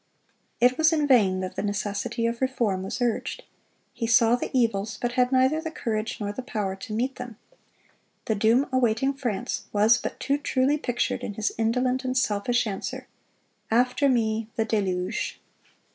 It was in vain that the necessity of reform was urged. He saw the evils, but had neither the courage nor the power to meet them. The doom awaiting France was but too truly pictured in his indolent and selfish answer,—"After me, the deluge!"